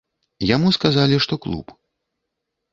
Яму сказалі, што клуб.